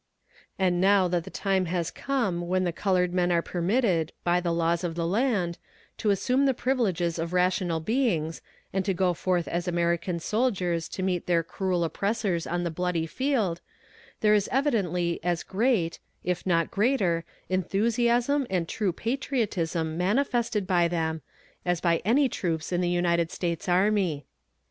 And now that the time has come when the colored men are permitted, by the laws of the land, to assume the privileges of rational beings, and to go forth as American soldiers to meet their cruel oppressors on the bloody field, there is evidently as great, if not greater, enthusiasm and true patriotism manifested by them, as by any troops in the United States army.